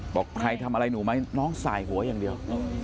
บอกใครทำอะไรหนูไหมน้องสายหัวอย่างเดียว